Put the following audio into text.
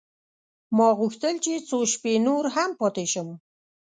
ما غوښتل چې څو شپې نور هم پاته شم.